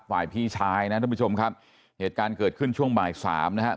ฝ่ายพี่ชายนะท่านผู้ชมครับเหตุการณ์เกิดขึ้นช่วงบ่ายสามนะครับ